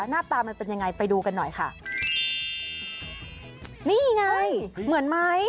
หน้าตามันเป็นยังไงไปดูกันหน่อยค่ะนี่ไงเหมือนไหม